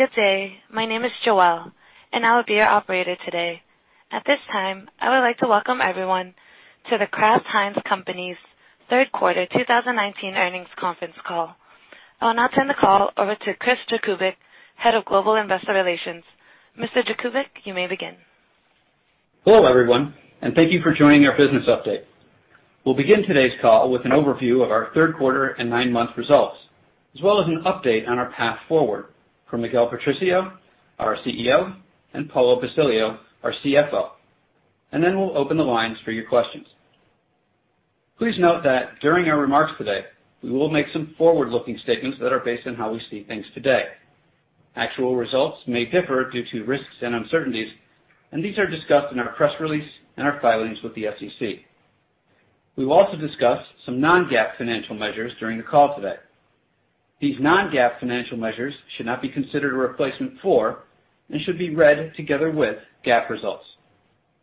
Good day. My name is Joelle, and I will be your operator today. At this time, I would like to welcome everyone to The Kraft Heinz Company's third quarter 2019 earnings conference call. I will now turn the call over to Chris Jakubik, Head of Global Investor Relations. Mr. Jakubik, you may begin. Hello, everyone, and thank you for joining our business update. We'll begin today's call with an overview of our third quarter and nine-month results, as well as an update on our path forward from Miguel Patricio, our CEO, and Paulo Basilio, our CFO. Then we'll open the lines for your questions. Please note that during our remarks today, we will make some forward-looking statements that are based on how we see things today. Actual results may differ due to risks and uncertainties. These are discussed in our press release and our filings with the SEC. We will also discuss some non-GAAP financial measures during the call today. These non-GAAP financial measures should not be considered a replacement for should be read together with GAAP results.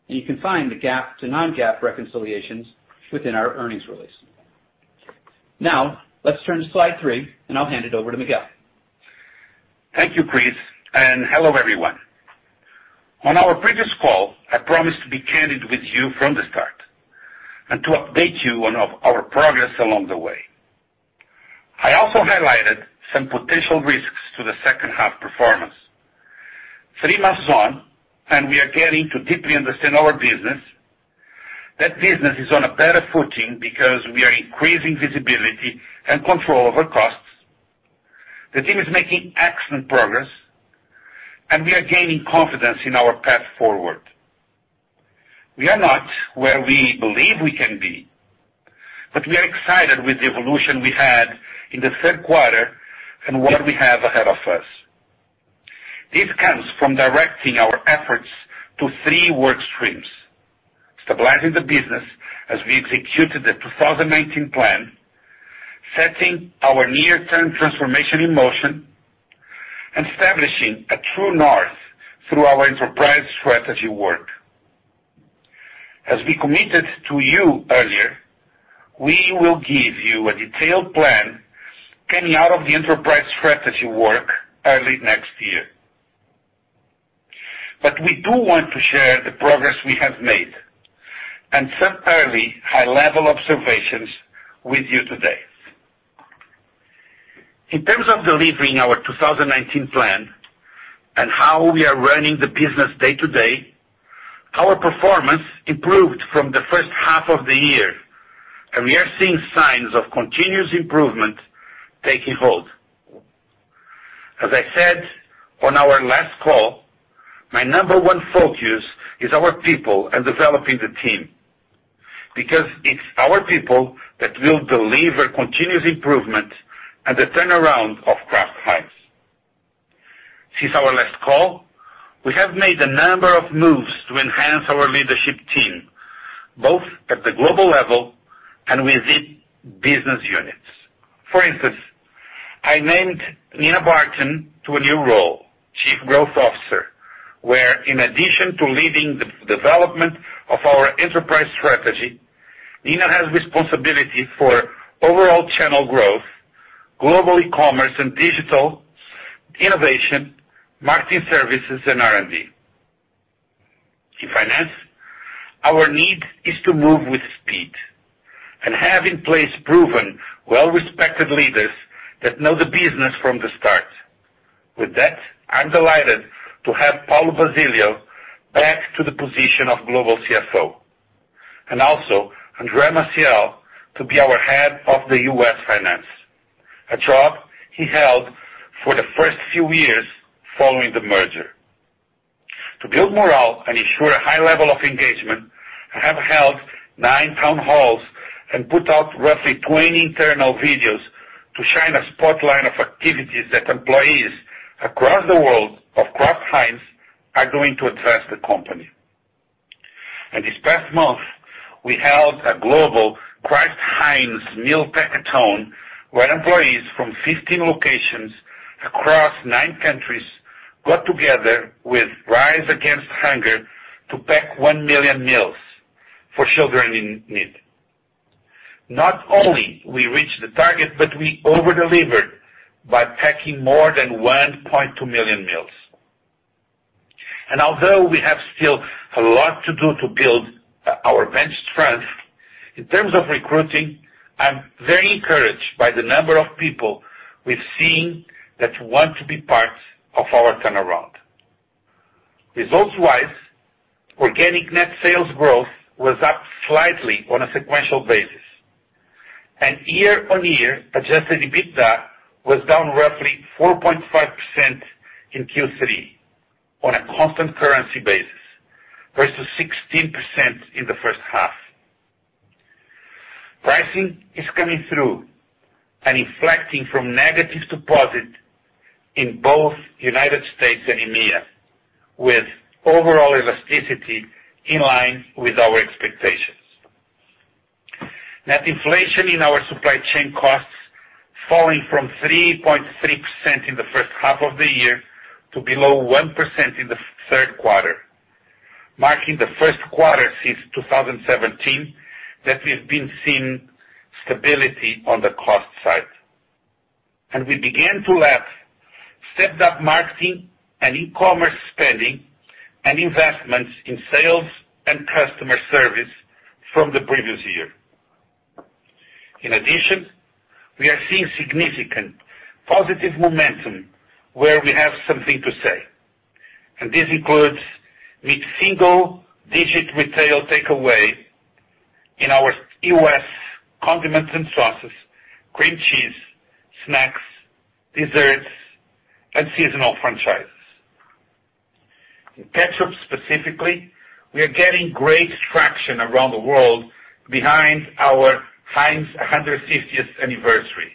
You can find the GAAP to non-GAAP reconciliations within our earnings release. Now, let's turn to slide three, and I'll hand it over to Miguel. Thank you, Chris, and hello, everyone. On our previous call, I promised to be candid with you from the start and to update you on our progress along the way. I also highlighted some potential risks to the second half performance. Three months on, we are getting to deeply understand our business. That business is on a better footing because we are increasing visibility and control over costs. The team is making excellent progress, and we are gaining confidence in our path forward. We are not where we believe we can be, we are excited with the evolution we had in the third quarter and what we have ahead of us. This comes from directing our efforts to three work streams: stabilizing the business as we executed the 2019 plan, setting our near-term transformation in motion, establishing a true north through our enterprise strategy work. As we committed to you earlier, we will give you a detailed plan coming out of the enterprise strategy work early next year. We do want to share the progress we have made and some early high-level observations with you today. In terms of delivering our 2019 plan and how we are running the business day-to-day, our performance improved from the first half of the year, and we are seeing signs of continuous improvement taking hold. As I said on our last call, my number one focus is our people and developing the team because it's our people that will deliver continuous improvement and the turnaround of Kraft Heinz. Since our last call, we have made a number of moves to enhance our leadership team, both at the global level and within business units. For instance, I named Nina Barton to a new role, Chief Growth Officer, where in addition to leading the development of our enterprise strategy, Nina has responsibility for overall channel growth, global commerce and digital innovation, marketing services, and R&D. In finance, our need is to move with speed and have in place proven, well-respected leaders that know the business from the start. With that, I'm delighted to have Paulo Basilio back to the position of Global CFO, and also Andre Maciel to be our head of the U.S. Finance, a job he held for the first few years following the merger. To build morale and ensure a high level of engagement, I have held nine town halls and put out roughly 20 internal videos to shine a spotlight of activities that employees across the world of Kraft Heinz are doing to address the company. This past month, we held a global Kraft Heinz meal pack-a-thon, where employees from 15 locations across nine countries got together with Rise Against Hunger to pack 1 million meals for children in need. Not only we reached the target, but we over-delivered by packing more than 1.2 million meals. Although we have still a lot to do to build our bench strength, in terms of recruiting, I'm very encouraged by the number of people we've seen that want to be part of our turnaround. Results-wise, organic net sales growth was up slightly on a sequential basis, and year-on-year adjusted EBITDA was down roughly 4.5% in Q3 on a constant currency basis versus 16% in the first half. Pricing is coming through and inflecting from negative to positive in both U.S. and EMEA, with overall elasticity in line with our expectations. Net inflation in our supply chain costs falling from 3.3% in the first half of the year to below 1% in the third quarter. Marking the first quarter since 2017 that we've been seeing stability on the cost side. We began to lap stepped-up marketing and e-commerce spending and investments in sales and customer service from the previous year. In addition, we are seeing significant positive momentum where we have something to say, and this includes mid-single digit retail takeaway in our U.S. condiments and sauces, cream cheese, snacks, desserts, and seasonal franchises. In ketchup specifically, we are getting great traction around the world behind our Heinz 150th anniversary,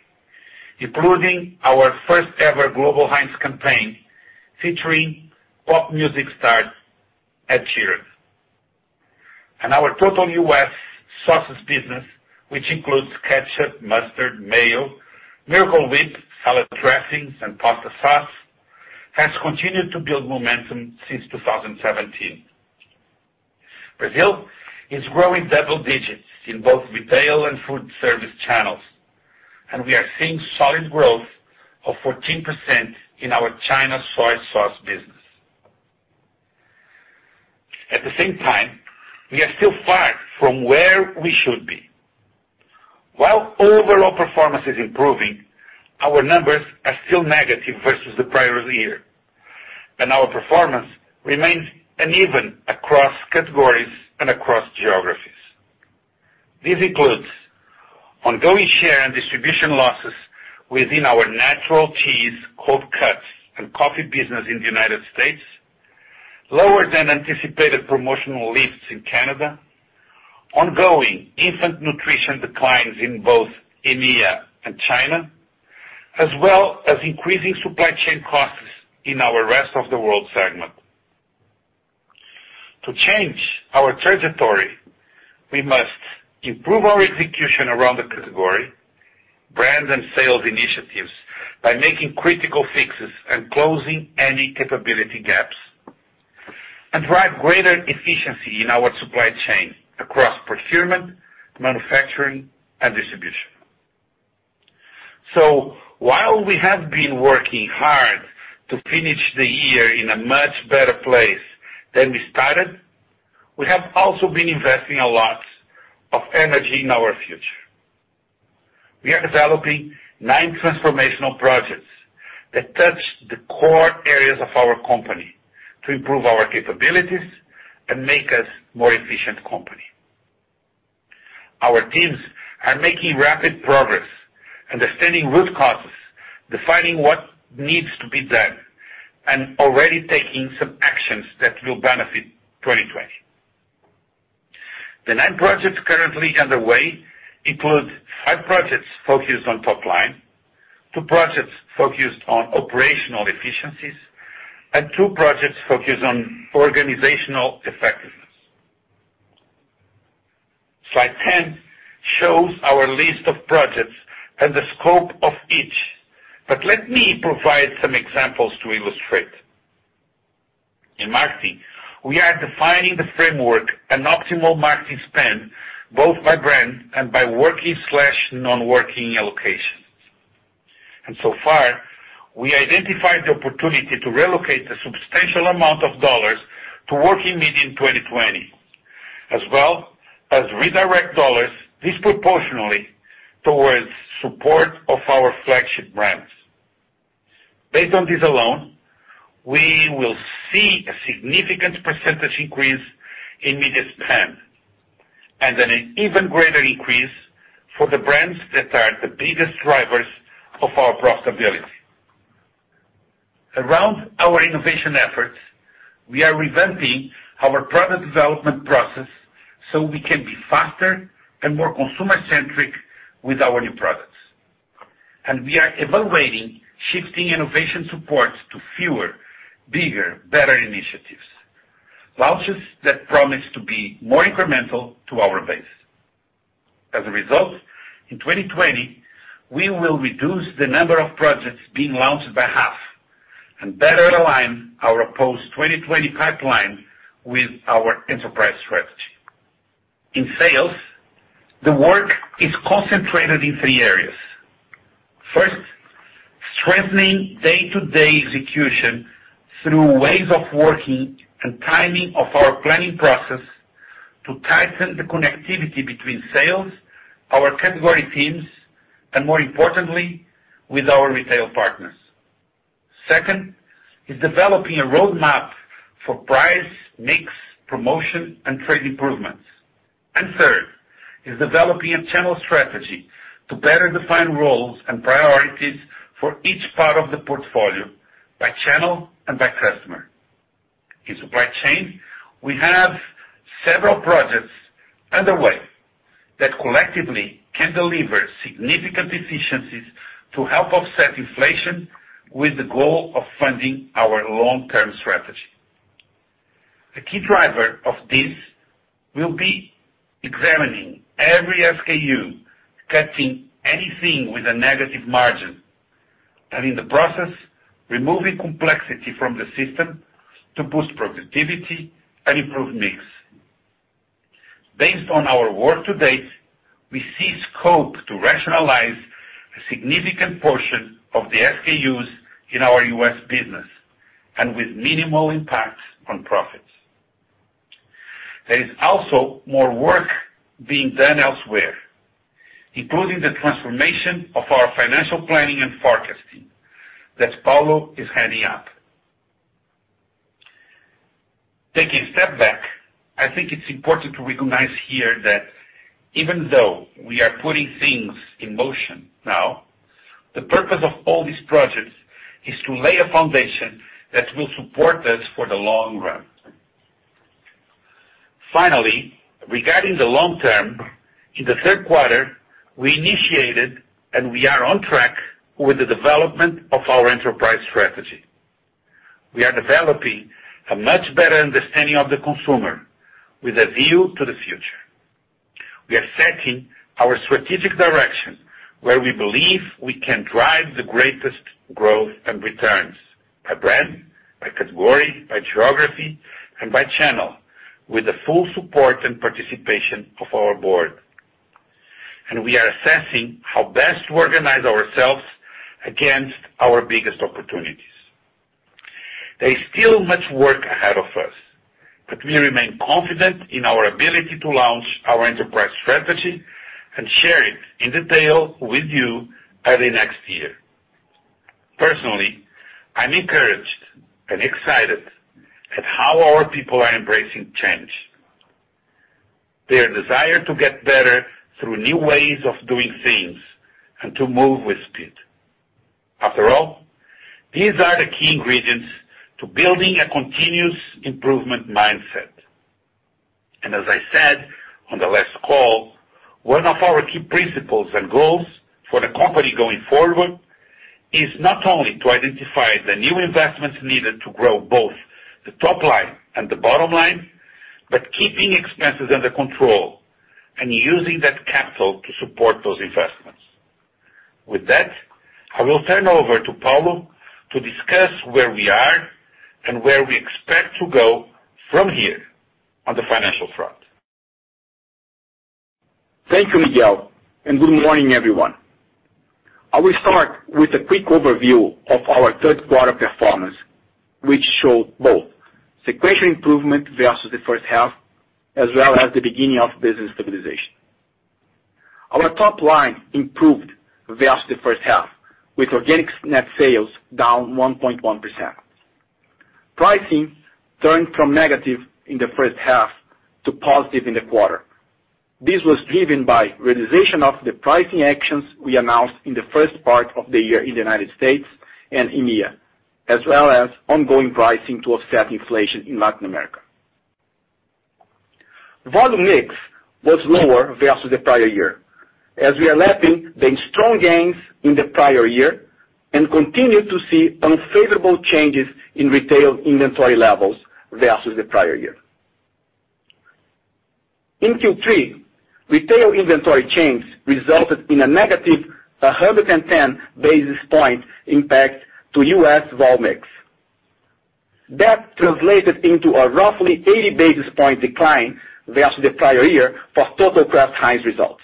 including our first ever global Heinz campaign featuring pop music star Ed Sheeran. Our total U.S. sauces business, which includes ketchup, mustard, mayo, Miracle Whip, salad dressings, and pasta sauce, has continued to build momentum since 2017. Brazil is growing double digits in both retail and food service channels, and we are seeing solid growth of 14% in our China soy sauce business. At the same time, we are still far from where we should be. While overall performance is improving, our numbers are still negative versus the prior year, and our performance remains uneven across categories and across geographies. This includes ongoing share and distribution losses within our natural cheese, cold cuts, and coffee business in the United States, lower than anticipated promotional lifts in Canada, ongoing infant nutrition declines in both EMEA and China, as well as increasing supply chain costs in our rest of the world segment. To change our trajectory, we must improve our execution around the category, brand and sales initiatives by making critical fixes and closing any capability gaps, and drive greater efficiency in our supply chain across procurement, manufacturing, and distribution. While we have been working hard to finish the year in a much better place than we started, we have also been investing a lot of energy in our future. We are developing nine transformational projects that touch the core areas of our company to improve our capabilities and make us a more efficient company. Our teams are making rapid progress, understanding root causes, defining what needs to be done, and already taking some actions that will benefit 2020. The nine projects currently underway include five projects focused on top line, two projects focused on operational efficiencies, and two projects focused on organizational effectiveness. Slide 10 shows our list of projects and the scope of each. Let me provide some examples to illustrate. In marketing, we are defining the framework an optimal marketing spend, both by brand and by working/non-working allocations. So far, we identified the opportunity to relocate a substantial amount of $ to working media in 2020, as well as redirect $ disproportionately towards support of our flagship brands. Based on this alone, we will see a significant % increase in media spend and an even greater increase for the brands that are the biggest drivers of our profitability. Around our innovation efforts, we are revamping our product development process so we can be faster and more consumer-centric with our new products. We are evaluating shifting innovation support to fewer, bigger, better initiatives, launches that promise to be more incremental to our base. As a result, in 2020, we will reduce the number of projects being launched by half and better align our post-2020 pipeline with our enterprise strategy. In sales, the work is concentrated in three areas. First, strengthening day-to-day execution through ways of working and timing of our planning process to tighten the connectivity between sales, our category teams, and more importantly, with our retail partners. Second is developing a roadmap for price, mix, promotion, and trade improvements. Third is developing a channel strategy to better define roles and priorities for each part of the portfolio by channel and by customer. In supply chain, we have several projects underway that collectively can deliver significant efficiencies to help offset inflation with the goal of funding our long-term strategy. A key driver of this will be examining every SKU, cutting anything with a negative margin. In the process, removing complexity from the system to boost productivity and improve mix. Based on our work to date, we see scope to rationalize a significant portion of the SKUs in our U.S. business, and with minimal impact on profits. There is also more work being done elsewhere, including the transformation of our financial planning and forecasting that Paulo is heading up. Taking a step back, I think it's important to recognize here that even though we are putting things in motion now, the purpose of all these projects is to lay a foundation that will support us for the long run. Finally, regarding the long term, in the third quarter, we initiated and we are on track with the development of our enterprise strategy. We are developing a much better understanding of the consumer with a view to the future. We are setting our strategic direction where we believe we can drive the greatest growth and returns by brand, by category, by geography, and by channel, with the full support and participation of our board. We are assessing how best to organize ourselves against our biggest opportunities. There is still much work ahead of us, but we remain confident in our ability to launch our enterprise strategy and share it in detail with you early next year. Personally, I'm encouraged and excited at how our people are embracing change. Their desire to get better through new ways of doing things and to move with speed. After all, these are the key ingredients to building a continuous improvement mindset. As I said on the last call, one of our key principles and goals for the company going forward is not only to identify the new investments needed to grow both the top line and the bottom line, but keeping expenses under control and using that capital to support those investments. With that, I will turn over to Paulo to discuss where we are and where we expect to go from here on the financial front. Thank you, Miguel, and good morning, everyone. I will start with a quick overview of our third quarter performance, which show both sequential improvement versus the first half, as well as the beginning of business stabilization. Our top line improved versus the first half, with organic net sales down 1.1%. Pricing turned from negative in the first half to positive in the quarter. This was driven by realization of the pricing actions we announced in the first part of the year in the United States and EMEA, as well as ongoing pricing to offset inflation in Latin America. Volume mix was lower versus the prior year, as we are lapping the strong gains in the prior year and continue to see unfavorable changes in retail inventory levels versus the prior year. In Q3, retail inventory changes resulted in a negative 110 basis point impact to U.S. volume mix. That translated into a roughly 80 basis point decline versus the prior year for total Kraft Heinz results.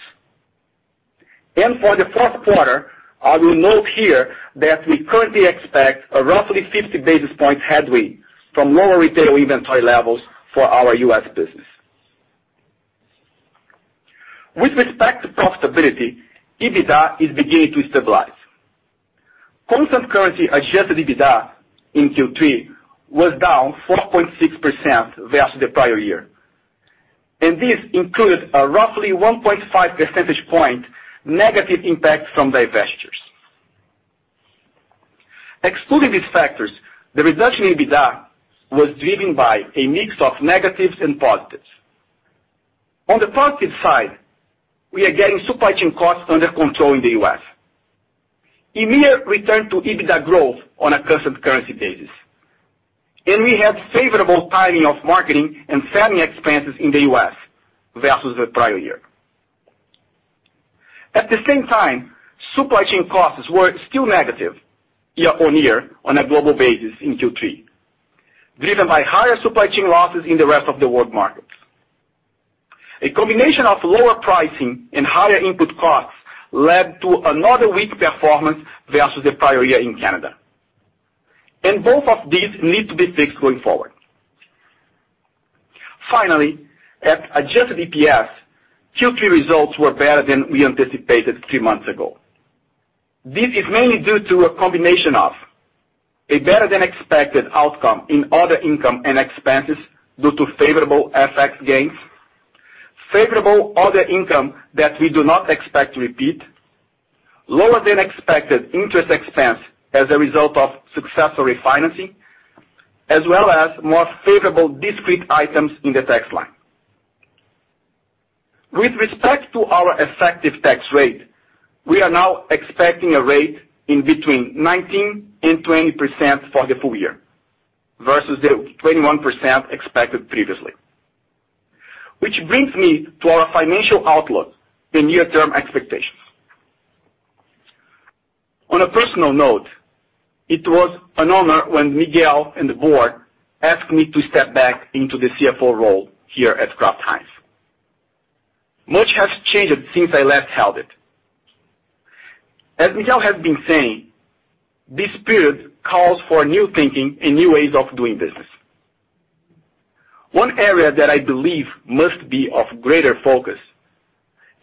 For the fourth quarter, I will note here that we currently expect a roughly 50 basis point headwind from lower retail inventory levels for our U.S. business. With respect to profitability, EBITDA is beginning to stabilize. Constant currency adjusted EBITDA in Q3 was down 4.6% versus the prior year, and this includes a roughly 1.5 percentage point negative impact from divestitures. Excluding these factors, the reduction in EBITDA was driven by a mix of negatives and positives. On the positive side, we are getting supply chain costs under control in the U.S. EMEA returned to EBITDA growth on a constant currency basis. We had favorable timing of marketing and selling expenses in the U.S. versus the prior year. At the same time, supply chain costs were still negative year on year on a global basis in Q3, driven by higher supply chain losses in the rest of the world markets. A combination of lower pricing and higher input costs led to another weak performance versus the prior year in Canada. Both of these need to be fixed going forward. Finally, at adjusted EPS, Q3 results were better than we anticipated three months ago. This is mainly due to a combination of a better than expected outcome in other income and expenses due to favorable FX gains, favorable other income that we do not expect to repeat, lower than expected interest expense as a result of successful refinancing, as well as more favorable discrete items in the tax line. With respect to our effective tax rate, we are now expecting a rate in between 19% and 20% for the full year, versus the 21% expected previously. Which brings me to our financial outlook and near-term expectations. On a personal note, it was an honor when Miguel and the board asked me to step back into the CFO role here at Kraft Heinz. Much has changed since I last held it. As Miguel has been saying, this period calls for new thinking and new ways of doing business. One area that I believe must be of greater focus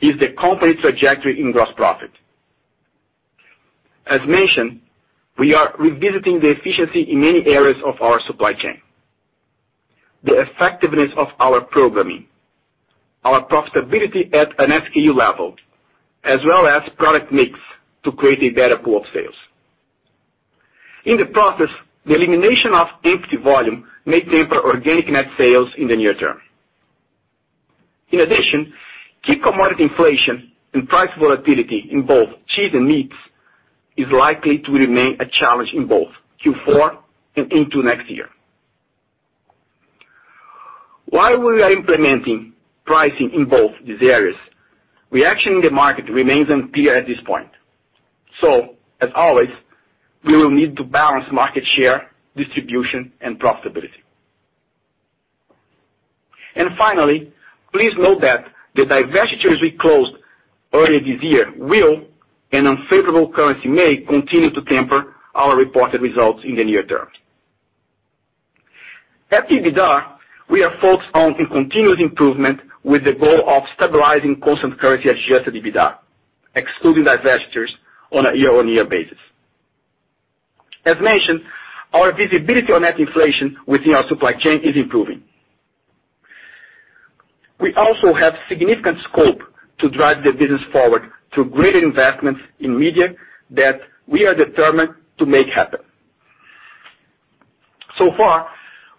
is the company's trajectory in gross profit. As mentioned, we are revisiting the efficiency in many areas of our supply chain, the effectiveness of our programming, our profitability at an SKU level, as well as product mix to create a better pool of sales. In the process, the elimination of empty volume may temper organic net sales in the near term. In addition, key commodity inflation and price volatility in both cheese and meats is likely to remain a challenge in both Q4 and into next year. While we are implementing pricing in both these areas, reaction in the market remains unclear at this point. As always, we will need to balance market share, distribution, and profitability. Finally, please note that the divestitures we closed earlier this year will, and unfavorable currency may, continue to temper our reported results in the near term. At EBITDA, we are focused on a continuous improvement with the goal of stabilizing constant currency adjusted EBITDA, excluding divestitures on a year-on-year basis. As mentioned, our visibility on net inflation within our supply chain is improving. We also have significant scope to drive the business forward through greater investments in media that we are determined to make happen. So far,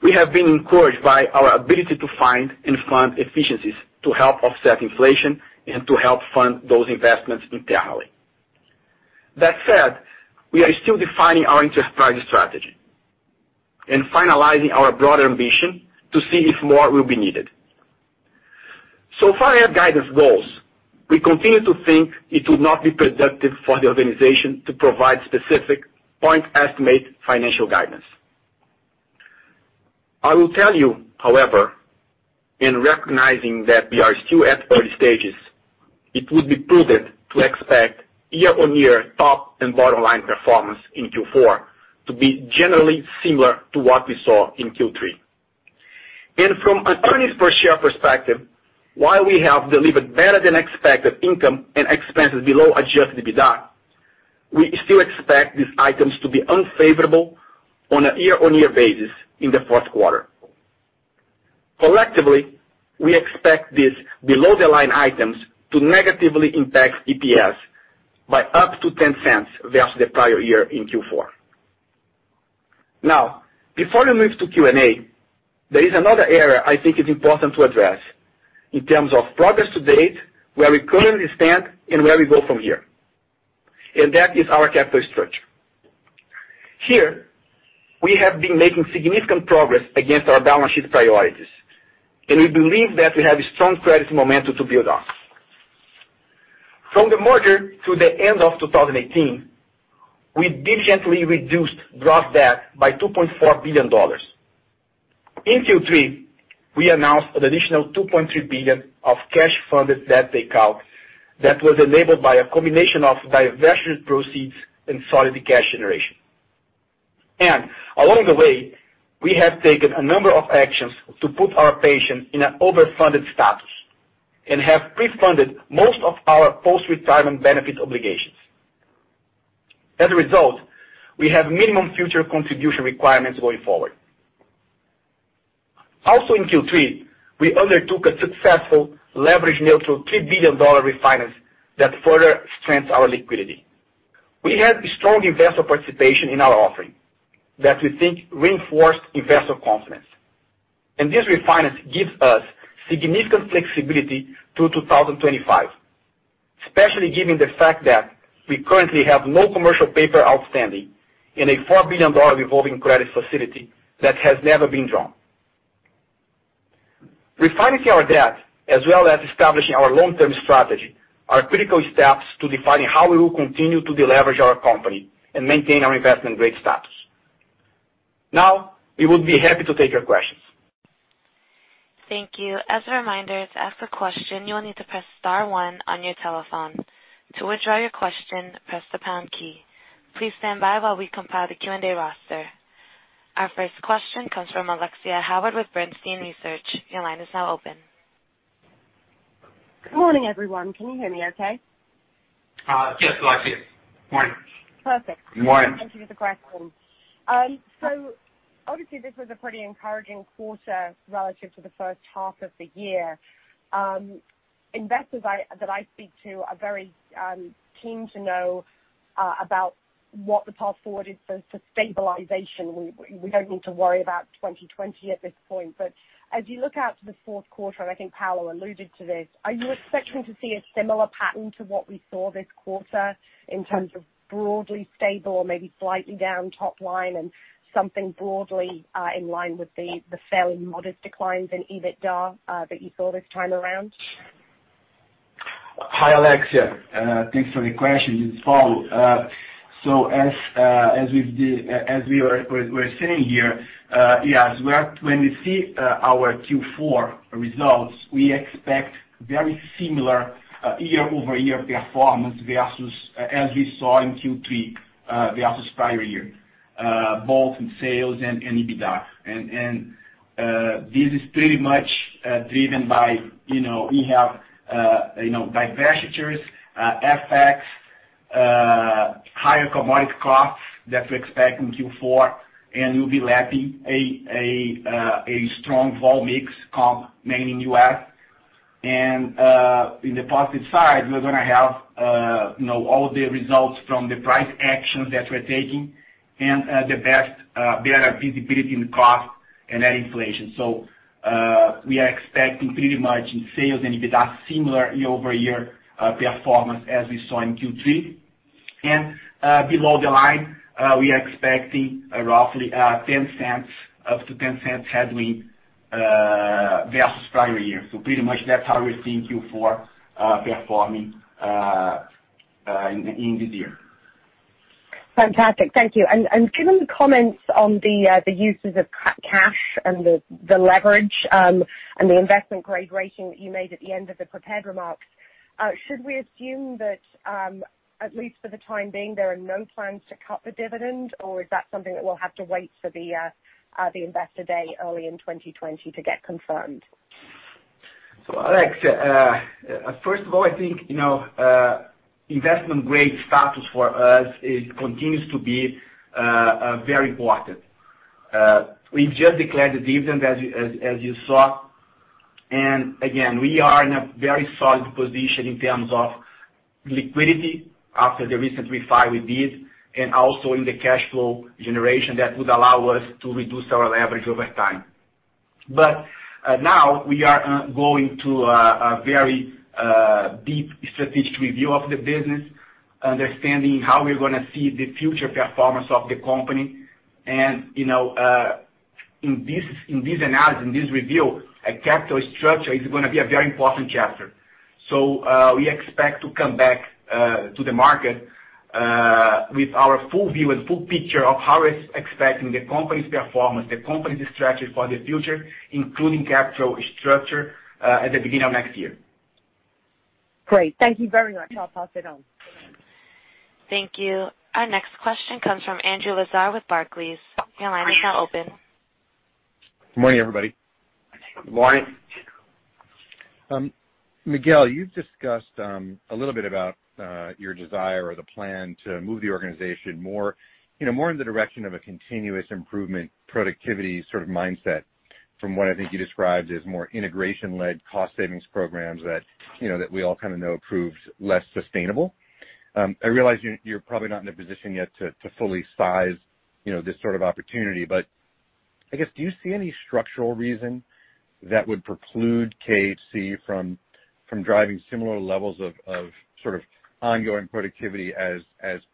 we have been encouraged by our ability to find and fund efficiencies to help offset inflation and to help fund those investments internally. That said, we are still defining our enterprise strategy and finalizing our broader ambition to see if more will be needed. So far ahead guidance goals, we continue to think it would not be productive for the organization to provide specific point estimate financial guidance. I will tell you, however, in recognizing that we are still at early stages, it would be prudent to expect year-on-year top and bottom line performance in Q4 to be generally similar to what we saw in Q3. From an earnings per share perspective, while we have delivered better than expected income and expenses below adjusted EBITDA, we still expect these items to be unfavorable on a year-on-year basis in the fourth quarter. Collectively, we expect these below the line items to negatively impact EPS by up to $0.10 versus the prior year in Q4. Before we move to Q&A, there is another area I think is important to address in terms of progress to date, where we currently stand, and where we go from here. That is our capital structure. We have been making significant progress against our balance sheet priorities, and we believe that we have a strong credit momentum to build on. From the merger to the end of 2018, we diligently reduced gross debt by $2.4 billion. In Q3, we announced an additional $2.3 billion of cash-funded debt takeout that was enabled by a combination of divestment proceeds and solid cash generation. Along the way, we have taken a number of actions to put our pension in an overfunded status and have pre-funded most of our post-retirement benefit obligations. As a result, we have minimum future contribution requirements going forward. Also in Q3, we undertook a successful leverage neutral $3 billion refinance that further strengthens our liquidity. We had strong investor participation in our offering that we think reinforced investor confidence. This refinance gives us significant flexibility through 2025, especially given the fact that we currently have no commercial paper outstanding in a $4 billion revolving credit facility that has never been drawn. Refinancing our debt, as well as establishing our long-term strategy, are critical steps to defining how we will continue to deleverage our company and maintain our investment-grade status. We would be happy to take your questions. Thank you. As a reminder, to ask a question, you will need to press star one on your telephone. To withdraw your question, press the pound key. Please stand by while we compile the Q&A roster. Our first question comes from Alexia Howard with Bernstein Research. Your line is now open. Good morning, everyone. Can you hear me okay? Yes, Alexia. Morning. Perfect. Morning. Thank you for the question. Obviously, this was a pretty encouraging quarter relative to the first half of the year. Investors that I speak to are very keen to know about what the path forward is for stabilization. We don't need to worry about 2020 at this point. As you look out to the fourth quarter, and I think Paulo alluded to this, are you expecting to see a similar pattern to what we saw this quarter in terms of broadly stable or maybe slightly down top line and something broadly in line with the fairly modest declines in EBITDA that you saw this time around? Hi, Alexia. Thanks for the question. Please follow. As we were saying here, yes, when we see our Q4 results, we expect very similar year-over-year performance versus as we saw in Q3 versus prior year, both in sales and EBITDA. This is pretty much driven by divestitures, FX, higher commodity costs that we expect in Q4, and we'll be lapping a strong vol mix comp, mainly in U.S. In the positive side, we're going to have all of the results from the price actions that we're taking and the better visibility in the cost and that inflation. We are expecting pretty much in sales and EBITDA similar year-over-year performance as we saw in Q3. Below the line, we are expecting roughly up to $0.10 headwind versus prior year. Pretty much that's how we're seeing Q4 performing in this year. Fantastic. Thank you. Given the comments on the uses of cash and the leverage, and the investment-grade rating that you made at the end of the prepared remarks, should we assume that, at least for the time being, there are no plans to cut the dividend, or is that something that we'll have to wait for the investor day early in 2020 to get confirmed? Alexia, first of all, I think, investment-grade status for us, it continues to be very important. We just declared the dividend as you saw. Again, we are in a very solid position in terms of liquidity after the recent refi we did, and also in the cash flow generation that would allow us to reduce our leverage over time. Now we are going to a very deep strategic review of the business, understanding how we're going to see the future performance of the company. In this analysis, in this review, capital structure is going to be a very important chapter. We expect to come back to the market with our full view and full picture of how we're expecting the company's performance, the company's strategy for the future, including capital structure, at the beginning of next year. Great. Thank you very much. I'll pass it on. Thank you. Our next question comes from Andrew Lazar with Barclays. Your line is now open. Morning, everybody. Morning. Miguel, you've discussed a little bit about your desire or the plan to move the organization more in the direction of a continuous improvement productivity sort of mindset from what I think you described as more integration-led cost savings programs that we all kind of know proved less sustainable. I realize you're probably not in a position yet to fully size this sort of opportunity, but I guess, do you see any structural reason that would preclude KHC from driving similar levels of sort of ongoing productivity as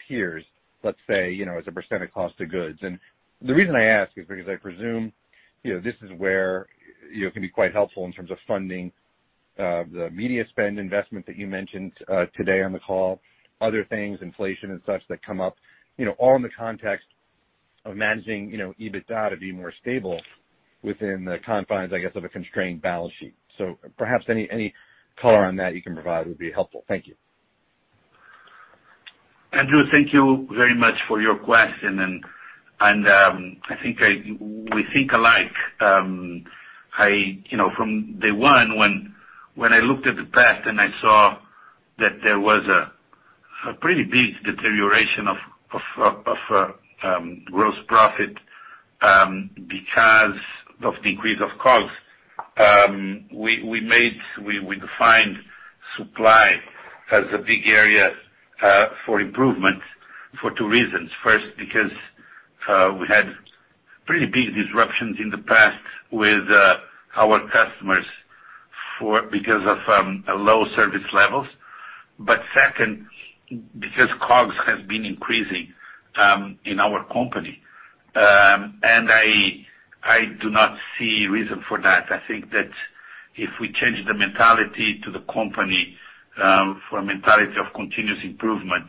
peers, let's say, as a percent of cost of goods? The reason I ask is because I presume this is where it can be quite helpful in terms of funding the media spend investment that you mentioned today on the call, other things, inflation and such that come up, all in the context of managing EBITDA to be more stable within the confines, I guess, of a constrained balance sheet. Perhaps any color on that you can provide would be helpful. Thank you. Andrew, thank you very much for your question, and we think alike. From day one, when I looked at the past and I saw that there was a pretty big deterioration of gross profit because of the increase of COGS, we defined supply as a big area for improvement for two reasons. First, because we had pretty big disruptions in the past with our customers because of low service levels. Second, because COGS has been increasing in our company. I do not see reason for that. I think that if we change the mentality to the company for a mentality of continuous improvement,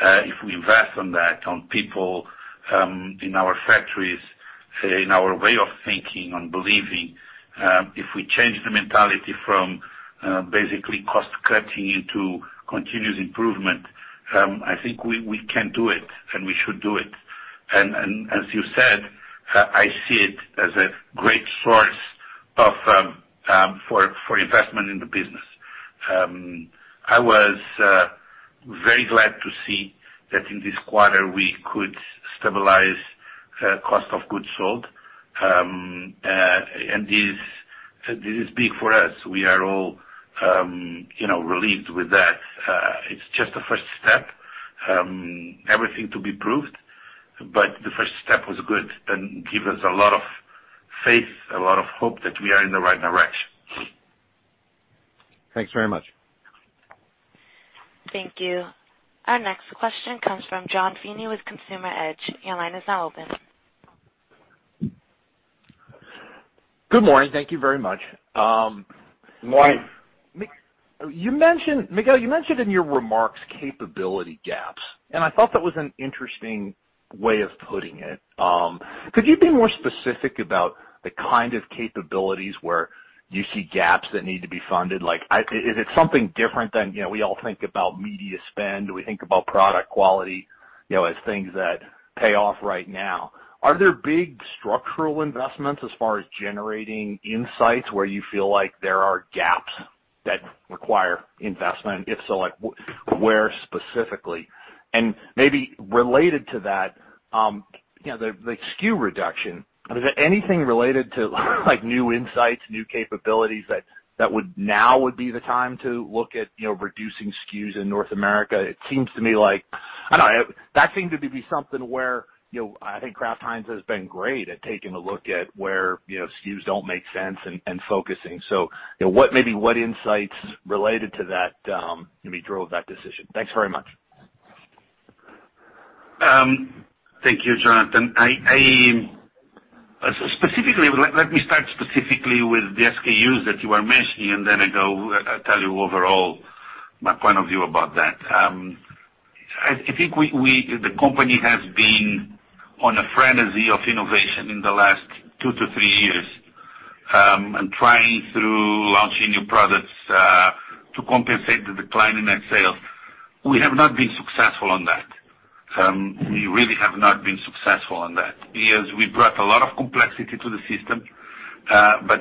if we invest on that, on people in our factories, in our way of thinking and believing, if we change the mentality from basically cost-cutting into continuous improvement, I think we can do it, and we should do it. As you said, I see it as a great source for investment in the business. I was very glad to see that in this quarter, we could stabilize cost of goods sold. This is big for us. We are all relieved with that. It's just the first step. Everything to be proved, but the first step was good and give us a lot of faith, a lot of hope that we are in the right direction. Thanks very much. Thank you. Our next question comes from John Finnegan with Consumer Edge. Your line is now open. Good morning. Thank you very much. Morning. Miguel, you mentioned in your remarks capability gaps, and I thought that was an interesting way of putting it. Could you be more specific about the kind of capabilities where you see gaps that need to be funded? Is it something different than, we all think about media spend, we think about product quality, as things that pay off right now. Are there big structural investments as far as generating insights where you feel like there are gaps that require investment? If so, where specifically? Maybe related to that, the SKU reduction. Is there anything related to new insights, new capabilities that now would be the time to look at reducing SKUs in North America? That seemed to be something where, I think Kraft Heinz has been great at taking a look at where SKUs don't make sense and focusing. Maybe what insights related to that maybe drove that decision? Thanks very much. Thank you, John. Let me start specifically with the SKUs that you are mentioning. Then I'll tell you overall my point of view about that. I think the company has been on a frenzy of innovation in the last two to three years. Trying to launch new products to compensate the decline in net sales. We have not been successful on that. We really have not been successful on that. Yes, we brought a lot of complexity to the system.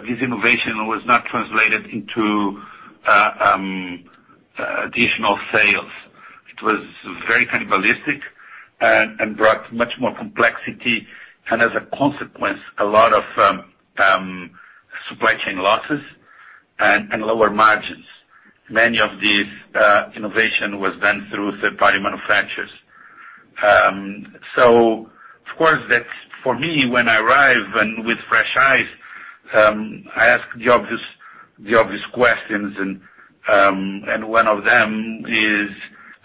This innovation was not translated into additional sales. It was very cannibalistic and brought much more complexity. As a consequence, a lot of supply chain losses and lower margins. Many of these innovation was done through third-party manufacturers. Of course, for me, when I arrive and with fresh eyes, I ask the obvious questions and one of them is,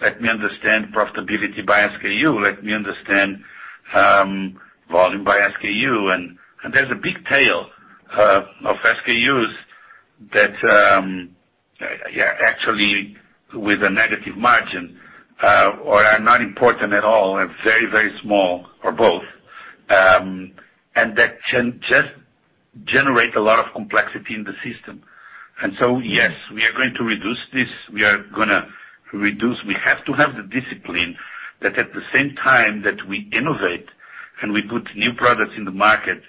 let me understand profitability by SKU. Let me understand volume by SKU. There's a big tail of SKUs that actually with a negative margin or are not important at all, are very, very small or both. That can just generate a lot of complexity in the system. Yes, we are going to reduce this. We have to have the discipline that at the same time that we innovate and we put new products in the market,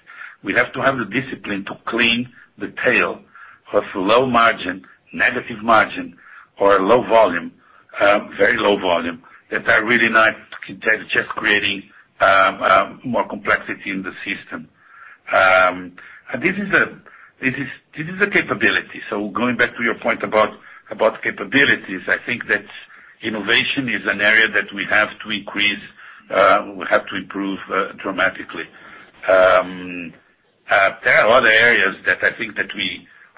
we have to have the discipline to clean the tail of low margin, negative margin or low volume, very low volume, that are really just creating more complexity in the system. This is a capability. Going back to your point about capabilities, I think that innovation is an area that we have to increase, we have to improve dramatically. There are other areas that I think that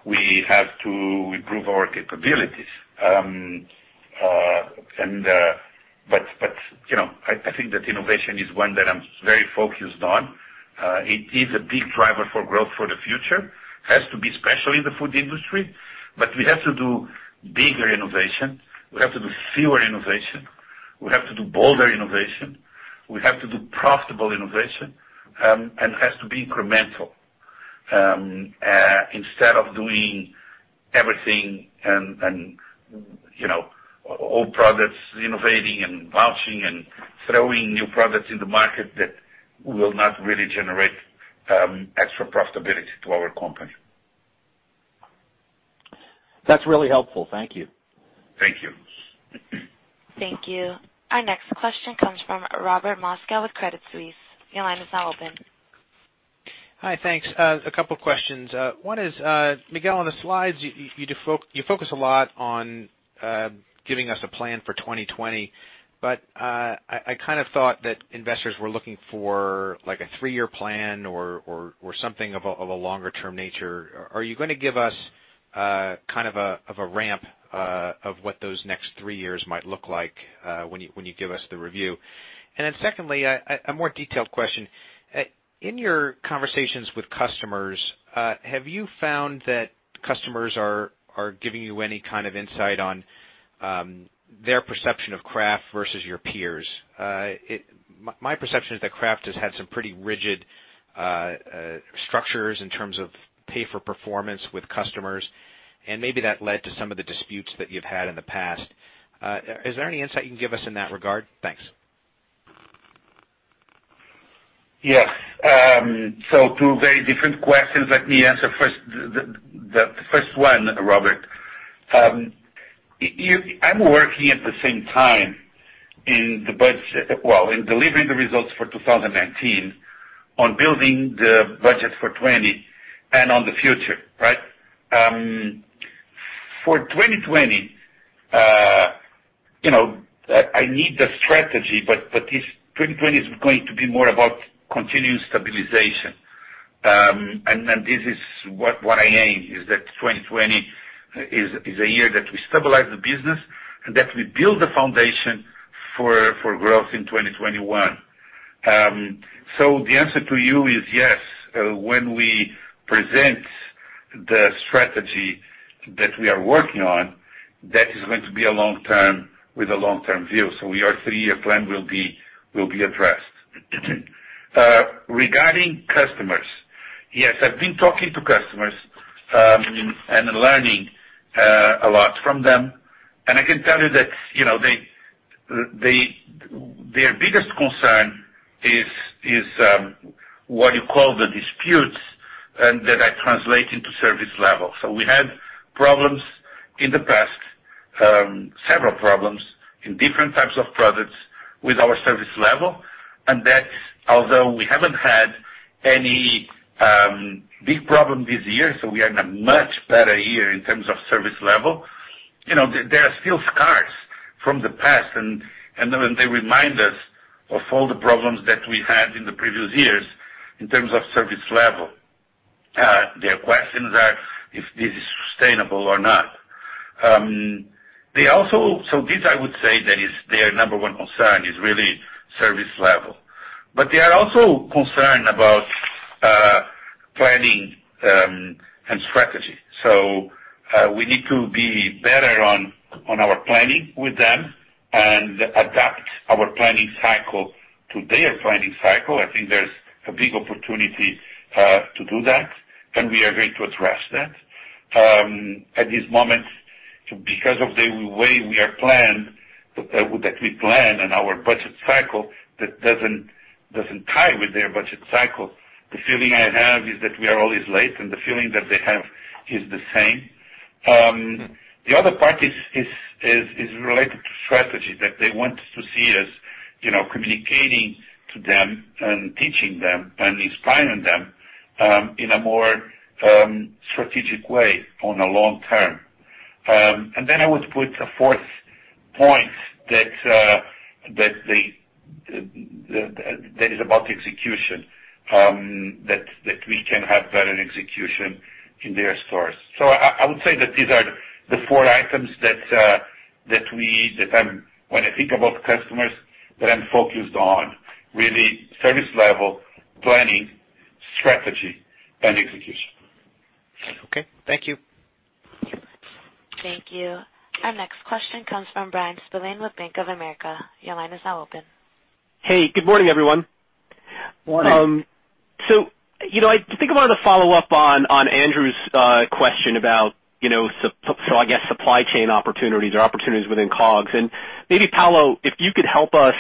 we have to improve our capabilities. I think that innovation is one that I'm very focused on. It is a big driver for growth for the future, has to be, especially in the food industry, but we have to do bigger innovation. We have to do fewer innovation. We have to do bolder innovation. We have to do profitable innovation. It has to be incremental. Instead of doing everything and all products, innovating and vouching and throwing new products in the market that will not really generate extra profitability to our company. That's really helpful. Thank you. Thank you. Thank you. Our next question comes from Robert Moskow with Credit Suisse. Your line is now open. Hi, thanks. A couple of questions. One is, Miguel, on the slides, you focus a lot on giving us a plan for 2020. I kind of thought that investors were looking for a three-year plan or something of a longer-term nature. Are you going to give us a kind of a ramp of what those next three years might look like when you give us the review? Secondly, a more detailed question. In your conversations with customers, have you found that customers are giving you any kind of insight on their perception of Kraft versus your peers? My perception is that Kraft has had some pretty rigid structures in terms of pay for performance with customers. Maybe that led to some of the disputes that you've had in the past. Is there any insight you can give us in that regard? Thanks. Yes. Two very different questions. Let me answer the first one, Robert. I'm working at the same time in delivering the results for 2019 on building the budget for 2020 and on the future, right? For 2020, I need the strategy. 2020 is going to be more about continuous stabilization. This is what I aim, is that 2020 is a year that we stabilize the business and that we build the foundation for growth in 2021. The answer to you is yes. When we present the strategy that we are working on, that is going to be with a long-term view. Our three-year plan will be addressed. Regarding customers, yes, I've been talking to customers and learning a lot from them. I can tell you that their biggest concern is what you call the disputes that translate into service level. We had problems in the past, several problems in different types of products with our service level, and that although we haven't had any big problem this year, so we are in a much better year in terms of service level, there are still scars from the past, and they remind us of all the problems that we had in the previous years in terms of service level. Their questions are if this is sustainable or not. This, I would say that is their number one concern, is really service level. They are also concerned about planning and strategy. We need to be better on our planning with them and adapt our planning cycle to their planning cycle. I think there's a big opportunity to do that, and we are going to address that. At this moment, because of the way that we plan and our budget cycle, that doesn't tie with their budget cycle. The feeling I have is that we are always late, and the feeling that they have is the same. The other part is related to strategy, that they want to see us communicating to them and teaching them and inspiring them in a more strategic way on the long term. I would put a fourth point that is about execution, that we can have better execution in their stores. I would say that these are the four items that when I think about customers, that I'm focused on. Really, service level, planning, strategy, and execution. Okay. Thank you. Thank you. Our next question comes from Bryan Spillane with Bank of America. Your line is now open. Hey, good morning, everyone. Morning. I think I wanted to follow up on Andrew's question about, so I guess supply chain opportunities or opportunities within COGS. Maybe, Paulo, if you could help us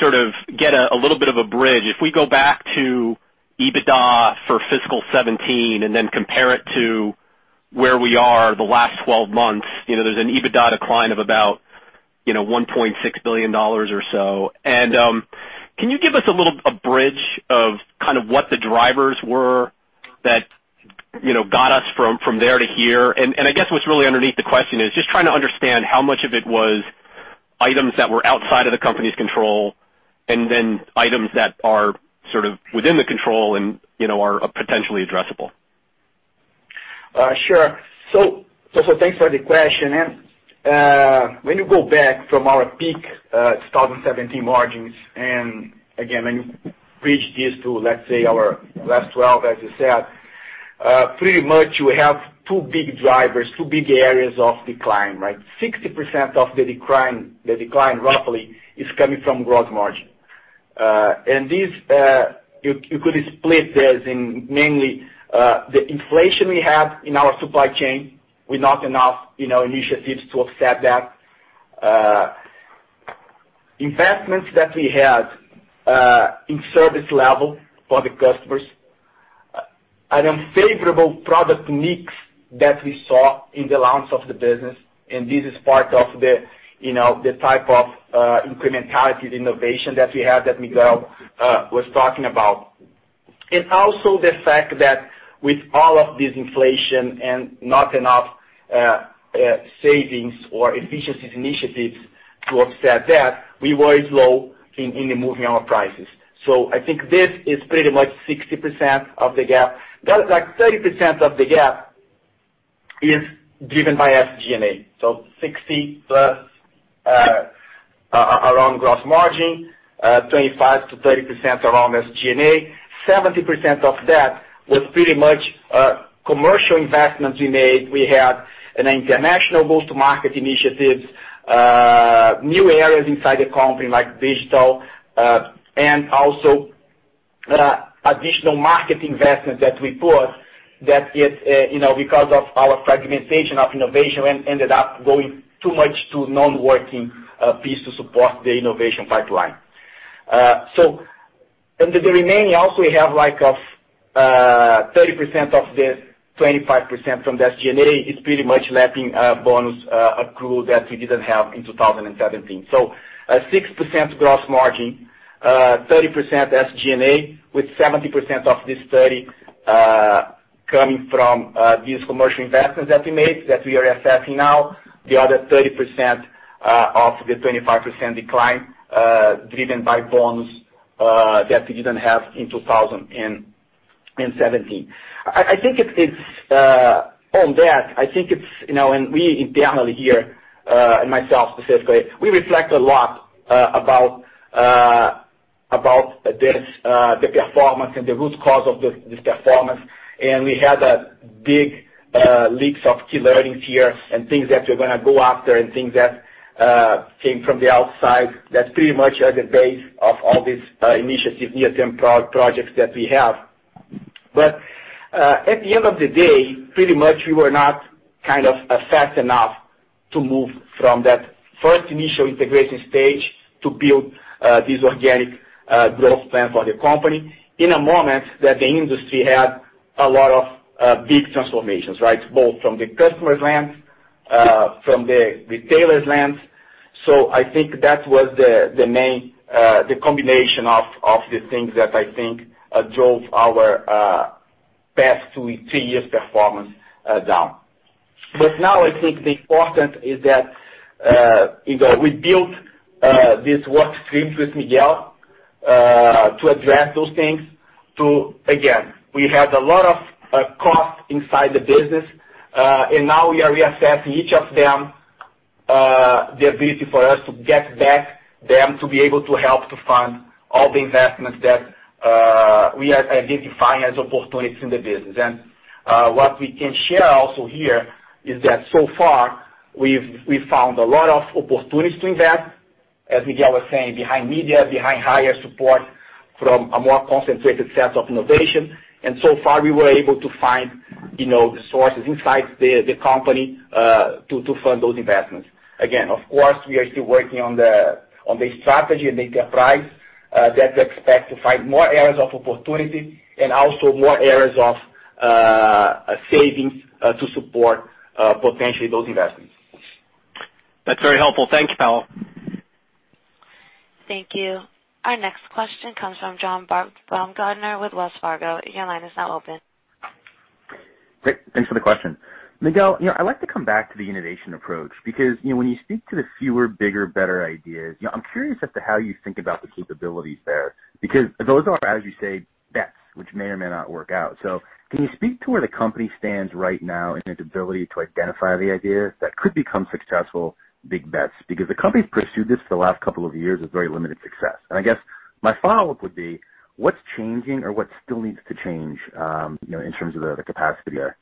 sort of get a little bit of a bridge. If we go back to EBITDA for fiscal 2017 and then compare it to where we are the last 12 months, there's an EBITDA decline of about $1.6 billion or so. Can you give us a little bridge of kind of what the drivers were that got us from there to here? I guess what's really underneath the question is just trying to understand how much of it was items that were outside of the company's control, and then items that are sort of within the control and are potentially addressable. Sure. Thanks for the question. When you go back from our peak 2017 margins, and again, when you bridge this to, let's say our last 12, as you said, pretty much we have two big drivers, two big areas of decline, right? 60% of the decline roughly is coming from gross margin. This, you could split this in mainly the inflation we have in our supply chain with not enough initiatives to offset that. Investments that we had in service level for the customers, an unfavorable product mix that we saw in the launch of the business, and this is part of the type of incrementality of innovation that we have that Miguel was talking about. Also the fact that with all of this inflation and not enough savings or efficiencies initiatives to offset that, we were slow in moving our prices. I think this is pretty much 60% of the gap. That like 30% of the gap is driven by SG&A. 60% plus around gross margin, 25%-30% around SG&A. 70% of that was pretty much commercial investments we made. We had an international go-to-market initiatives, new areas inside the company like digital, and also additional market investments that we put that is because of our fragmentation of innovation and ended up going too much to non-working piece to support the innovation pipeline. The remaining also we have like a 30% of this, 25% from SG&A, is pretty much lapping bonus accrual that we didn't have in 2017. 6% gross margin, 30% SG&A, with 70% of this 30% coming from these commercial investments that we made that we are assessing now. The other 30% of the 25% decline driven by bonus that we didn't have in 2017. In 2017. On that, we internally here, and myself specifically, we reflect a lot about this, the performance and the root cause of this performance. We had big leaks of key learnings here and things that we're going to go after and things that came from the outside that's pretty much at the base of all these initiatives, near-term projects that we have. At the end of the day, pretty much, we were not fast enough to move from that first initial integration stage to build this organic growth plan for the company in a moment that the industry had a lot of big transformations. Both from the customer's lens, from the retailer's lens. I think that was the combination of the things that I think drove our past three years' performance down. Now, I think the important is that we built this workstream with Miguel to address those things. Again, we had a lot of cost inside the business. Now we are reassessing each of them, the ability for us to get back them to be able to help to fund all the investments that we are identifying as opportunities in the business. What we can share also here is that so far we've found a lot of opportunities to invest, as Miguel was saying, behind media, behind higher support from a more concentrated set of innovation. So far, we were able to find the sources inside the company to fund those investments. Of course, we are still working on the strategy and the enterprise that expect to find more areas of opportunity and also more areas of savings to support potentially those investments. That's very helpful. Thank you, Paulo. Thank you. Our next question comes from John Baumgartner with Wells Fargo. Your line is now open. Great. Thanks for the question. Miguel, I'd like to come back to the innovation approach because, when you speak to the fewer, bigger, better ideas, I'm curious as to how you think about the capabilities there. Those are, as you say, bets, which may or may not work out. Can you speak to where the company stands right now in its ability to identify the ideas that could become successful big bets? The company's pursued this for the last couple of years with very limited success. I guess my follow-up would be, what's changing or what still needs to change in terms of the capacity there?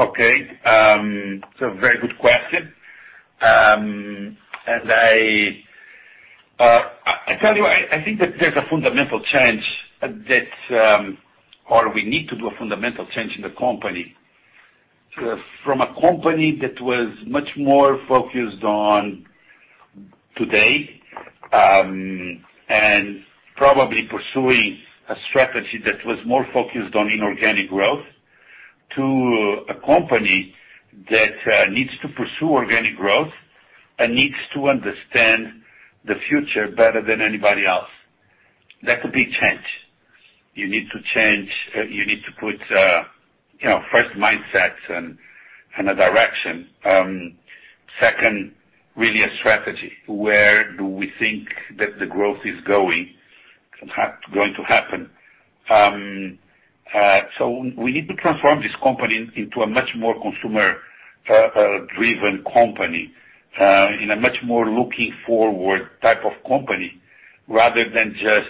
Okay. It's a very good question. I tell you, I think that there's a fundamental change or we need to do a fundamental change in the company. From a company that was much more focused on today, and probably pursuing a strategy that was more focused on inorganic growth, to a company that needs to pursue organic growth and needs to understand the future better than anybody else. That's a big change. You need to change. You need to put first mindsets and a direction. Second, really a strategy. Where do we think that the growth is going to happen? We need to transform this company into a much more consumer-driven company, in a much more looking forward type of company, rather than just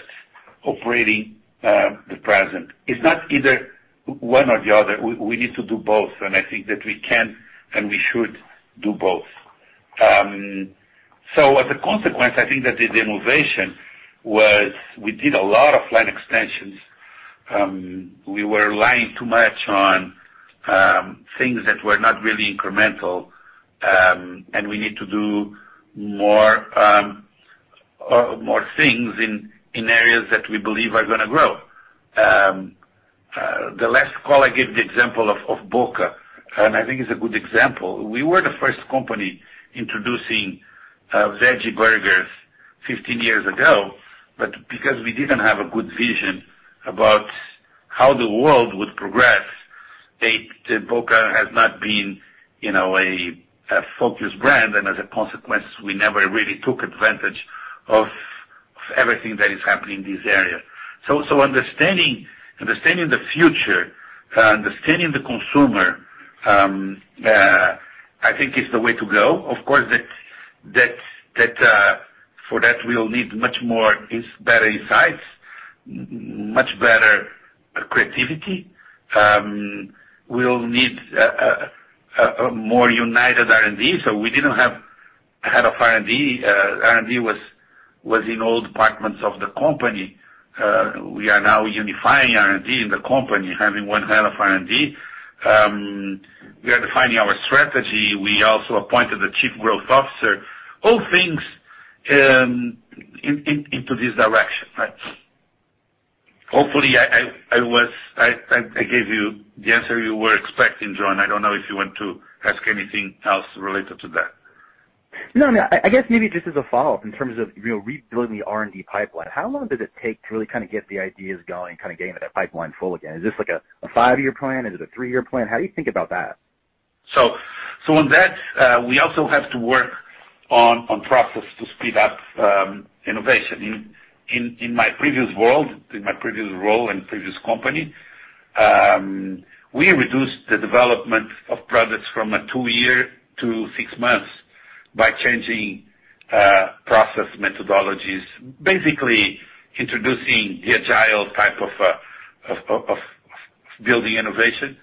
operating the present. It's not either one or the other. We need to do both, and I think that we can, and we should do both. As a consequence, I think that the innovation was we did a lot of line extensions. We were relying too much on things that were not really incremental. And we need to do more things in areas that we believe are going to grow. The last call, I gave the example of Boca, and I think it's a good example. We were the first company introducing veggie burgers 15 years ago, but because we didn't have a good vision about how the world would progress, Boca has not been a focused brand, and as a consequence, we never really took advantage of everything that is happening in this area. Understanding the future, understanding the consumer, I think is the way to go. Of course, for that, we'll need much more better insights, much better creativity. We'll need a more united R&D. We didn't have head of R&D. R&D was in all departments of the company. We are now unifying R&D in the company, having one head of R&D. We are defining our strategy. We also appointed a Chief Growth Officer, all things into this direction. Hopefully, I gave you the answer you were expecting, John. I don't know if you want to ask anything else related to that. No, I guess maybe just as a follow-up in terms of rebuilding the R&D pipeline, how long did it take to really get the ideas going, getting that pipeline full again? Is this like a five-year plan? Is it a three-year plan? How do you think about that? On that, we also have to work on process to speed up innovation. In my previous world, in my previous role and previous company, we reduced the development of products from a two year to six months by changing process methodologies, basically introducing the agile type of building innovation.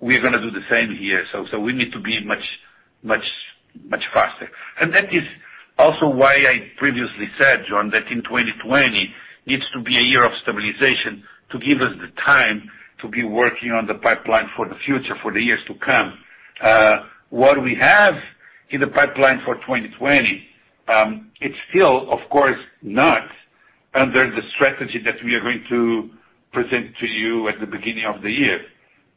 We're going to do the same here. We need to be much faster. That is also why I previously said, John, that in 2020 needs to be a year of stabilization to give us the time to be working on the pipeline for the future, for the years to come. What we have in the pipeline for 2020, it's still, of course, not under the strategy that we are going to present to you at the beginning of the year.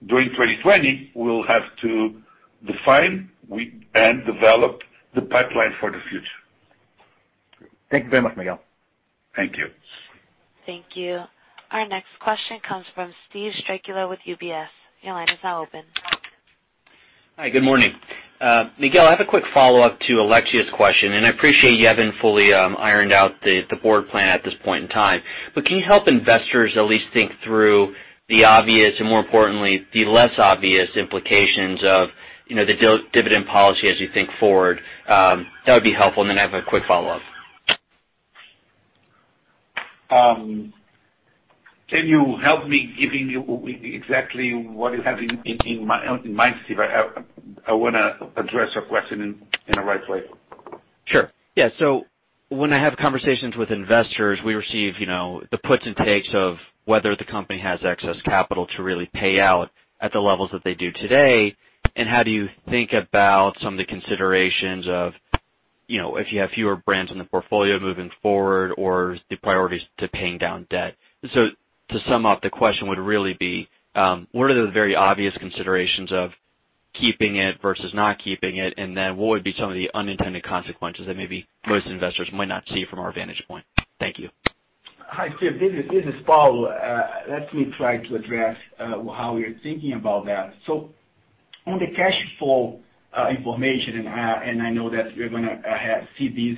During 2020, we'll have to define and develop the pipeline for the future. Thank you very much, Miguel. Thank you. Thank you. Our next question comes from Steven Strycula with UBS. Your line is now open. Hi, good morning. Miguel, I have a quick follow-up to Alexia's question, and I appreciate you haven't fully ironed out the board plan at this point in time. Can you help investors at least think through the obvious and more importantly, the less obvious implications of the dividend policy as you think forward? That would be helpful, and then I have a quick follow-up. Can you help me giving you exactly what you have in mind, Steve? I want to address your question in the right way. Sure. Yeah. When I have conversations with investors, we receive the puts and takes of whether the company has excess capital to really pay out at the levels that they do today, and how do you think about some of the considerations of if you have fewer brands in the portfolio moving forward or the priorities to paying down debt. To sum up, the question would really be, what are the very obvious considerations of keeping it versus not keeping it? What would be some of the unintended consequences that maybe most investors might not see from our vantage point? Thank you. Hi, Steve. This is Paulo. Let me try to address how we are thinking about that. On the cash flow information, I know that we're going to see these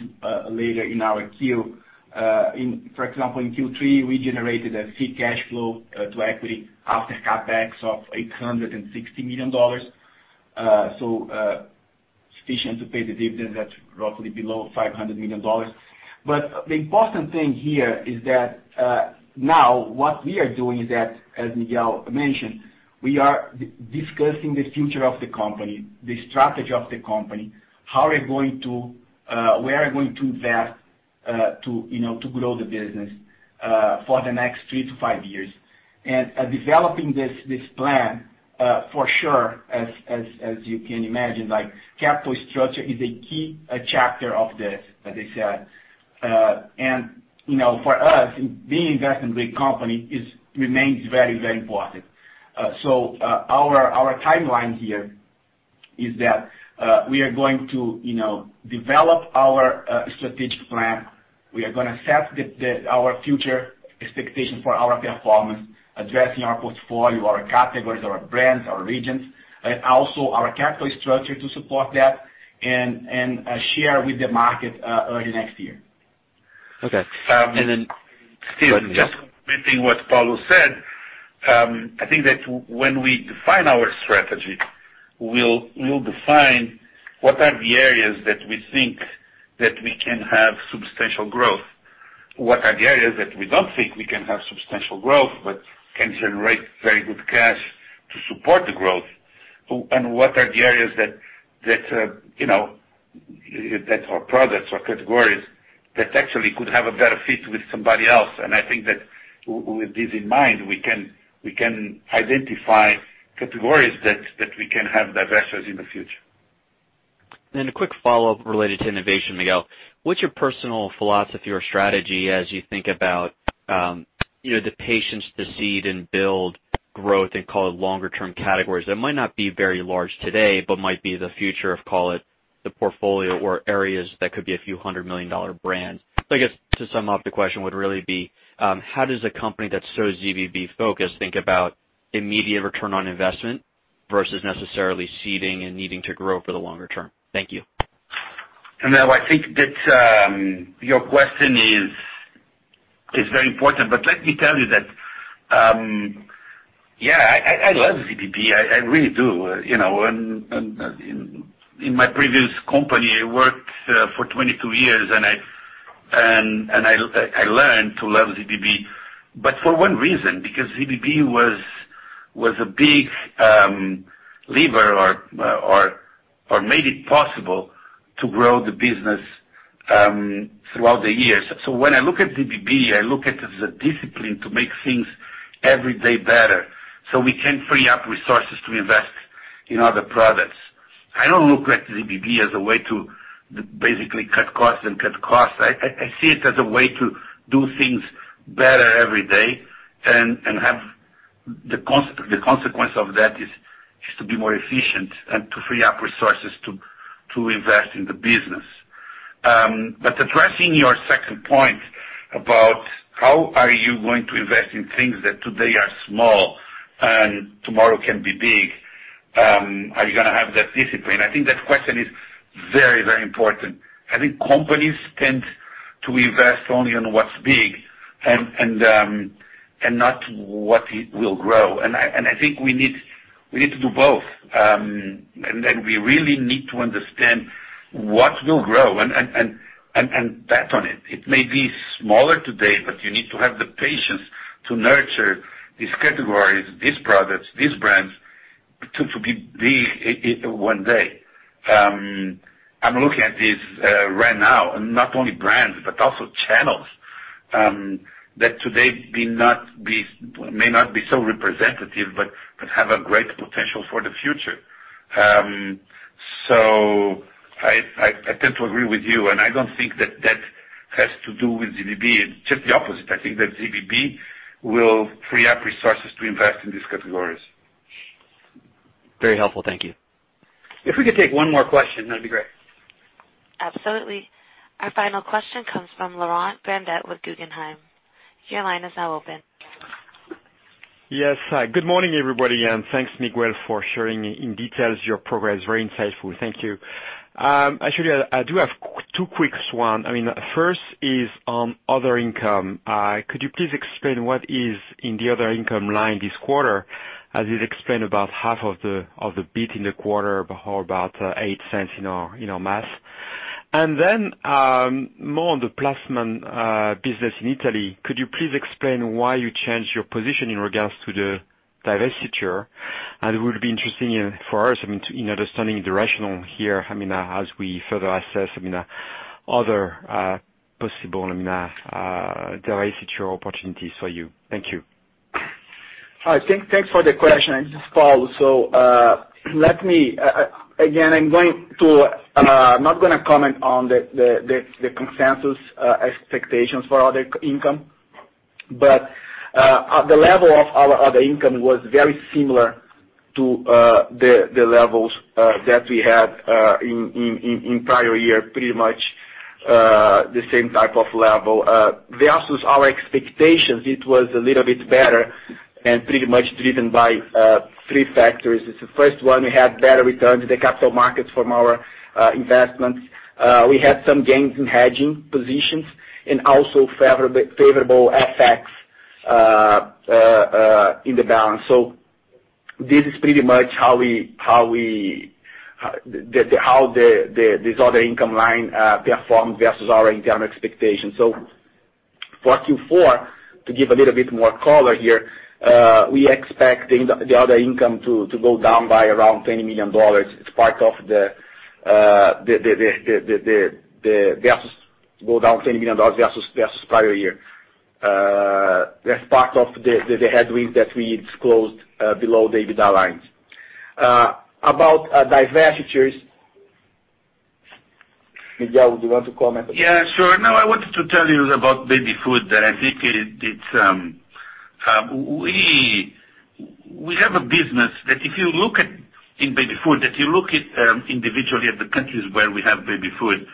later in our Q. For example, in Q3, we generated a free cash flow to equity after CapEx of $860 million. Sufficient to pay the dividend that's roughly below $500 million. The important thing here is that now what we are doing is that, as Miguel mentioned, we are discussing the future of the company, the strategy of the company, where are we going to invest to grow the business for the next three to five years. Developing this plan for sure, as you can imagine, capital structure is a key chapter of this, as I said. For us, being invested in a great company remains very, very important. Our timeline here is that we are going to develop our strategic plan. We are going to set our future expectation for our performance, addressing our portfolio, our categories, our brands, our regions, and also our capital structure to support that, and share with the market early next year. Okay. Steve, just completing what Paulo said. I think that when we define our strategy, we'll define what are the areas that we think that we can have substantial growth. What are the areas that we don't think we can have substantial growth but can generate very good cash to support the growth? What are the areas that our products or categories that actually could have a better fit with somebody else? I think that with this in mind, we can identify categories that we can have divestitures in the future. A quick follow-up related to innovation, Miguel. What's your personal philosophy or strategy as you think about the patience to seed and build growth and call it longer-term categories that might not be very large today, but might be the future of, call it, the portfolio or areas that could be a $few hundred million brands. I guess to sum up the question would really be, how does a company that's so ZBB-focused think about immediate return on investment versus necessarily seeding and needing to grow for the longer term? Thank you. Now I think that your question is very important. Let me tell you that, yeah, I love ZBB. I really do. In my previous company, I worked for 22 years, and I learned to love ZBB, but for one reason, because ZBB was a big lever or made it possible to grow the business throughout the years. When I look at ZBB, I look at it as a discipline to make things every day better so we can free up resources to invest in other products. I don't look at ZBB as a way to basically cut costs. I see it as a way to do things better every day, the consequence of that is to be more efficient and to free up resources to invest in the business. Addressing your second point about how are you going to invest in things that today are small and tomorrow can be big, are you going to have that discipline? I think that question is very important. I think companies tend to invest only in what's big and not what will grow. I think we need to do both. We really need to understand what will grow and bet on it. It may be smaller today, but you need to have the patience to nurture these categories, these products, these brands, to be big one day. I'm looking at this right now, not only brands, but also channels that today may not be so representative, but have a great potential for the future. I tend to agree with you, and I don't think that that has to do with ZBB. It's just the opposite. I think that ZBB will free up resources to invest in these categories. Very helpful. Thank you. If we could take one more question, that'd be great. Absolutely. Our final question comes from Laurent Grandet with Guggenheim. Your line is now open. Good morning, everybody, thanks, Miguel, for sharing in details your progress. Very insightful. Thank you. Actually, I do have two quick ones. First is on other income. Could you please explain what is in the other income line this quarter, as you've explained about half of the beat in the quarter, about $0.08 in our math. More on the Plasmon business in Italy. Could you please explain why you changed your position in regards to the divestiture? It would be interesting for us in understanding the rationale here as we further assess other possible divestiture opportunities for you. Thank you. Thanks for the question. This is Paulo. Again, I'm not going to comment on the consensus expectations for other income. The level of our other income was very similar to the levels that we had in prior year, pretty much the same type of level. Versus our expectations, it was a little bit better and pretty much driven by three factors. The first one, we had better returns in the capital markets from our investments. We had some gains in hedging positions and also favorable FX in the balance. This is pretty much how this other income line performed versus our income expectations. For Q4, to give a little bit more color here, we expect the other income to go down by around $20 million. Versus go down $20 million versus prior year. That's part of the headwinds that we disclosed below the EBITDA lines. About divestitures, Miguel, do you want to comment? Yeah, sure. I wanted to tell you about baby food. We have a business that if you look at in baby food, that you look at individually at the countries where we have baby food,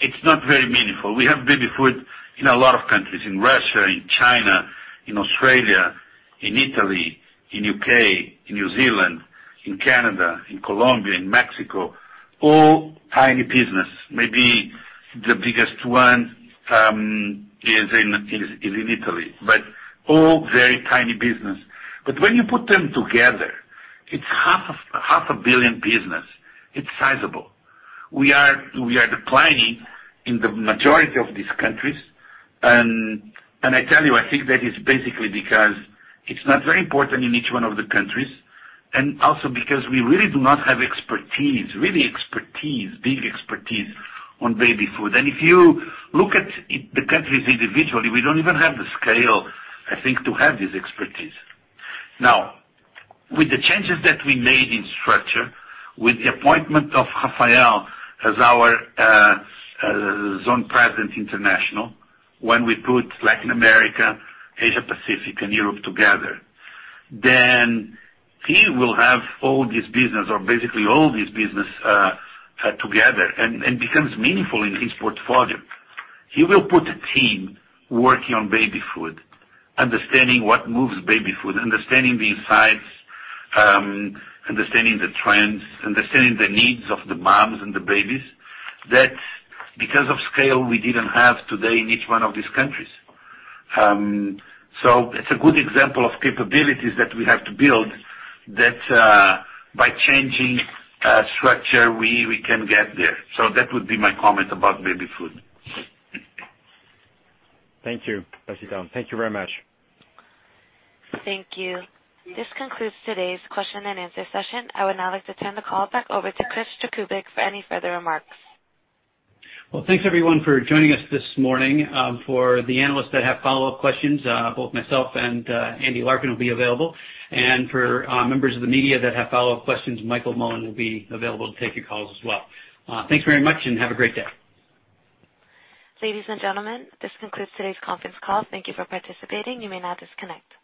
it's not very meaningful. We have baby food in a lot of countries, in Russia, in China, in Australia, in Italy, in U.K., in New Zealand, in Canada, in Colombia, in Mexico. All tiny business. Maybe the biggest one is in Italy. All very tiny business. When you put them together, it's half a billion business. It's sizable. We are declining in the majority of these countries. I tell you, I think that is basically because it's not very important in each one of the countries, and also because we really do not have expertise, really expertise, big expertise on baby food. If you look at the countries individually, we don't even have the scale, I think, to have this expertise. With the changes that we made in structure, with the appointment of Rafael as our zone president international, when we put Latin America, Asia Pacific and Europe together, he will have all this business or basically all this business together and becomes meaningful in his portfolio. He will put a team working on baby food, understanding what moves baby food, understanding the insights, understanding the trends, understanding the needs of the moms and the babies, that because of scale we didn't have today in each one of these countries. It's a good example of capabilities that we have to build that by changing structure, we can get there. That would be my comment about baby food. Thank you. Pass it down. Thank you very much. Thank you. This concludes today's question and answer session. I would now like to turn the call back over to Chris Jakubik for any further remarks. Well, thanks everyone for joining us this morning. For the analysts that have follow-up questions, both myself and Andy Larkin will be available. For members of the media that have follow-up questions, Michael Mullen will be available to take your calls as well. Thanks very much and have a great day. Ladies and gentlemen, this concludes today's conference call. Thank you for participating. You may now disconnect.